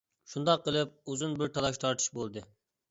شۇنداق قىلىپ، ئۇزۇن بىر تالاش-تارتىش بولدى.